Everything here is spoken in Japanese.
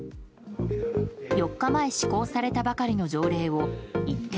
４日前施行されたばかりの条例を一転